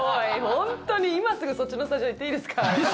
本当に今すぐそっちのスタジオに行っていいですか？